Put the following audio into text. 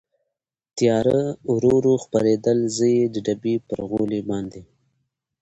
تېاره ورو ورو خپرېدل، زه د ډبې پر غولي باندې.